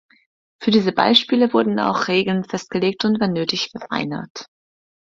Für diese Ballspiele wurden auch Regeln festgelegt und wenn nötig verfeinert.